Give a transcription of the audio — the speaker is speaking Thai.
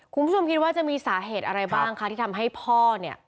คุณผู้ชมคิดว่าจะมีสาเหตุอะไรบ้างคะที่ทำให้พ่อเนี่ย